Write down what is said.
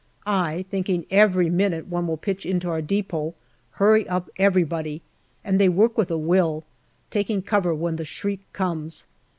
I thinking every minute one will pitch in our depot hurry up everybody, and they work with a will, taking cover when the shriek comes.